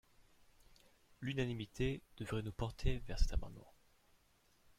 L’unanimité devrait nous porter vers cet amendement